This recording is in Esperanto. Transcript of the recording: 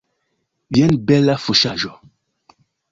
Jen bela fuŝaĵo!